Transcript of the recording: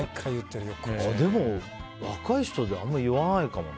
でも、若い人であんまり言わないかもね。